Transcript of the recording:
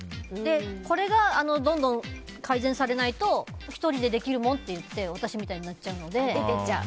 これがどんどん改善されないと１人でできるもんって言って私みたいになっちゃうので。